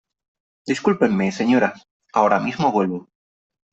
Discúlpenme , señoras . Ahora mismo vuelvo .